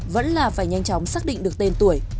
vẫn là phải nhanh chóng xác định được tên tuổi